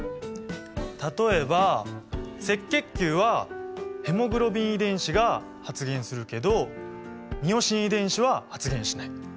例えば赤血球はヘモグロビン遺伝子が発現するけどミオシン遺伝子は発現しない。